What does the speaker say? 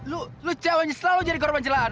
lo lo ceweknya selalu jadi korban celahan